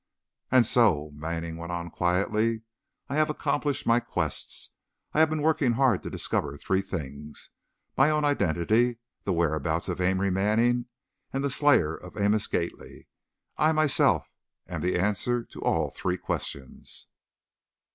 "And so," Manning went on, quietly, "I have accomplished my quests. I have been working hard to discover three things, my own identity, the whereabouts of Amory Manning, and the slayer of Amos Gately. I, myself, am the answer to all three questions."